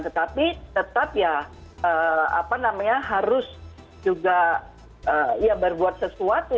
tetapi tetap ya harus juga berbuat sesuatu